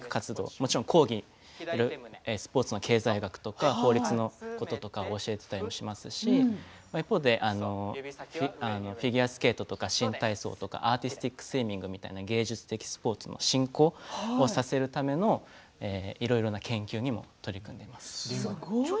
もちろん講義スポーツの経済学とか法律のこととかも教えていたりしますし一方でフィギュアスケートとか新体操とかアーティスティックスイミングみたいな芸術的スポーツの振興をさせるための、いろいろな研究にも取り組んでいます。